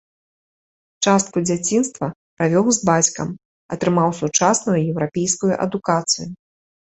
Частку дзяцінства правёў з бацькам, атрымаў сучасную еўрапейскую адукацыю.